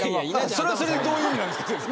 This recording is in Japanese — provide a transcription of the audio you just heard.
それはそれでどういう意味なんですか先生。